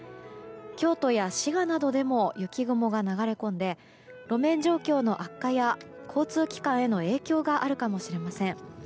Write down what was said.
京都や滋賀などでも雪雲が流れ込んで路面状況の悪化や交通機関への影響があるかもしれません。